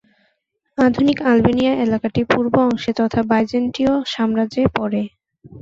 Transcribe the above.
আধুনিক আলবেনিয়া এলাকাটি পূর্ব অংশে তথা বাইজেন্টীয় সাম্রাজ্যে পড়ে।